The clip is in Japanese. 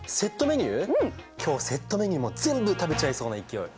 今日セットメニューも全部食べちゃいそうな勢い。